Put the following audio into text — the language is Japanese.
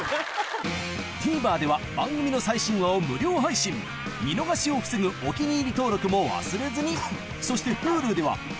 ＴＶｅｒでは番組の最新話を無料配信見逃しを防ぐ「お気に入り」登録も忘れずにそしてＨｕｌｕでは本日の放送も過去の放送も配信中